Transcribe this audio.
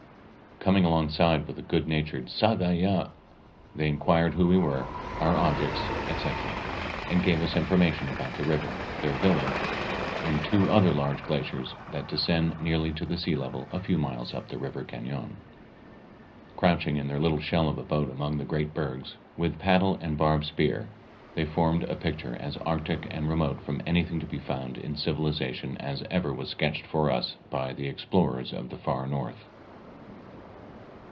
Coming alongside with a goodnatured "Sagh a ya," they inquired who we were, our objects, etc., and gave us information about the river, their village, and two other large glaciers that descend nearly to the sea level a few miles up the river cañon. Crouching in their little shell of a boat among the great bergs, with paddle and barbed spear, they formed a picture as arctic and remote from anything to be found in civilization as ever was sketched for us by the explorers of the Far North.